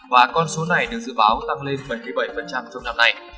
và con số này được dự báo tăng lên bảy mươi bảy trong năm nay